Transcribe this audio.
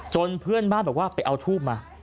เพื่อนบ้านบอกว่าไปเอาทูบมา